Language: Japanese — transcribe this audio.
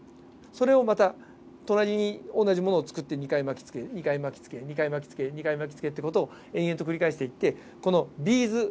それをまた隣に同じものを作って２回巻きつけ２回巻きつけ２回巻きつけ２回巻きつけって事を延々と繰り返していってビーズみたいにするんですね。